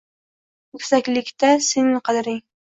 Yuksaklikda sening qadring